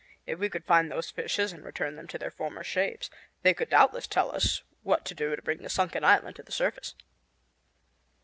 If we could find those fishes and return them to their former shapes, they could doubtless tell us what to do to bring the sunken island to the surface."